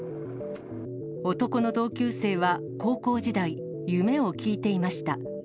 男の同級生は高校時代、夢を聞いていました。